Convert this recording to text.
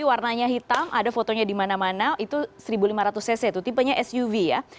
warnanya hitam ada fotonya di mana mana itu seribu lima ratus cc itu tipenya suv ya